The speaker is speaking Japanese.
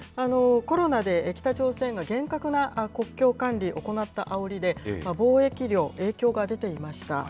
コロナで北朝鮮が厳格な国境管理を行ったあおりで、貿易量、影響が出ていました。